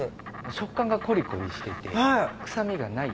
食感がコリコリしてて臭みがない。